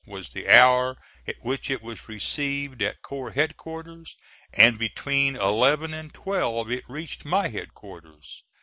was the hour at which it was received at corps headquarters, and between eleven and twelve it reached my headquarters.